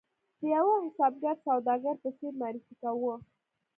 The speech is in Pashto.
د یوه حسابګر سوداګر په څېر معرفي کاوه.